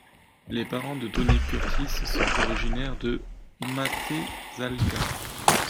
Les parents de Tony Curtis sont originaires de Mátészalka.